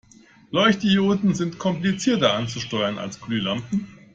Leuchtdioden sind komplizierter anzusteuern als Glühlampen.